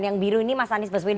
yang biru ini mas anies baswedan